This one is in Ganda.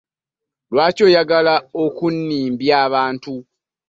Lwaki oyagala okunnimbya abantu?